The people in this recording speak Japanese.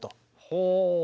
ほう。